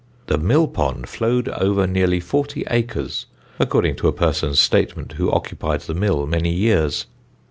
The mill pond flowed over nearly 40 acres, according to a person's statement who occupied the mill many years."